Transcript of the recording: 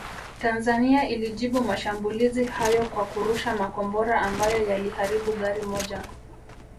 Tanzania ilijibu mashambulizi hayo kwa kurusha makombora ambayo yaliharibu gari moja